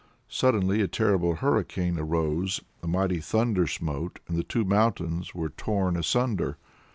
"Suddenly a terrible hurricane arose, a mighty thunder smote, and the two mountains were torn asunder.